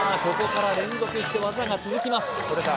ここから連続して技が続きます